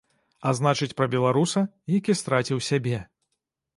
А значыць пра беларуса, які страціў сябе.